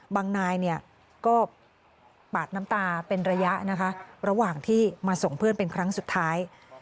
นายเนี่ยก็ปาดน้ำตาเป็นระยะนะคะระหว่างที่มาส่งเพื่อนเป็นครั้งสุดท้าย